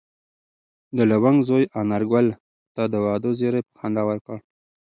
د لونګ زوی انارګل ته د واده زېری په خندا ورکړ.